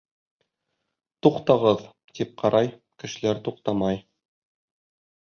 Туҡтағыҙ, тип ҡарай, кешеләр туҡтамай.